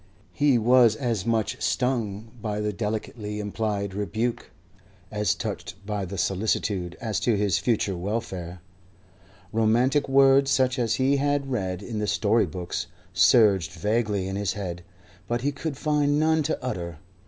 He was as much stung by the delicately implied rebuke as touched by the solicitude as to his future welfare. Romantic words, such as he had read in the story books, surged vaguely in his head, but he could find none to utter.